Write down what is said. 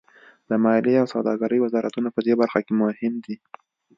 د مالیې او سوداګرۍ وزارتونه پدې برخه کې مهم دي